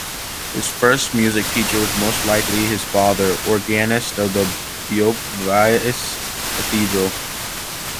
His first music teacher was most likely his father, organist of the Beauvais Cathedral.